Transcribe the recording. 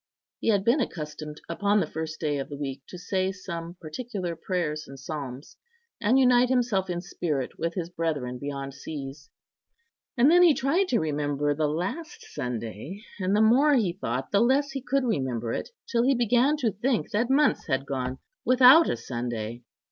He had been accustomed upon the first day of the week to say some particular prayers and psalms, and unite himself in spirit with his brethren beyond seas. And then he tried to remember the last Sunday; and the more he thought, the less he could remember it, till he began to think that months had gone without a Sunday.